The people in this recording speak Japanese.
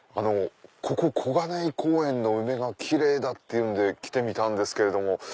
ここ小金井公園の梅が奇麗だっていうんで来てみたんですけれども。